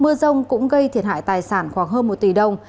mưa rông cũng gây thiệt hại tài sản khoảng hơn một tỷ đồng